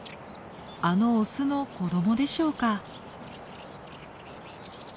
あのオスの子どもでしょうか。